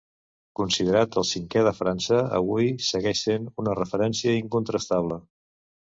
Considerat el cinquè de França, avui segueix sent una referència incontrastable.